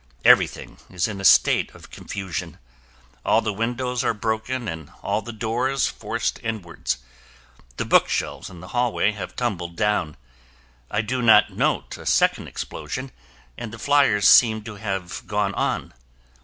Everything is in a state of confusion. All windows are broken and all the doors are forced inwards. The bookshelves in the hallway have tumbled down. I do not note a second explosion and the fliers seem to have gone on.